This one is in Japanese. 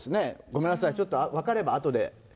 ごめんなさい、分かればあとで。